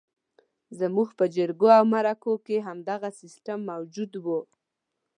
زموږ پر جرګو او مرکو کې همدغه سیستم موجود وو.